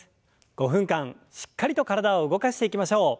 ５分間しっかりと体を動かしていきましょう。